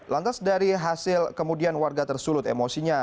lantas dari hasil kemudian warga tersulut emosinya